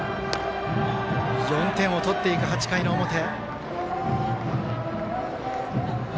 ４点を追っていく８回の表。